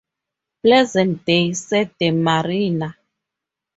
"Pleasant day," said the mariner.